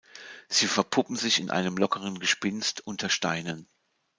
Sie verpuppen sich in einem lockeren Gespinst unter Steinen.